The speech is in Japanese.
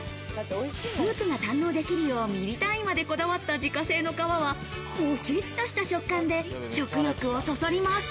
スープが堪能できるようミリ単位までこだわった自家製の皮は、もちっとした食感で食欲をそそります。